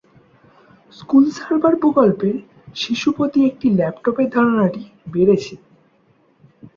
School server প্রকল্পের শিশু প্রতি একটি ল্যাপটপের ধারণাটি বেড়েছে।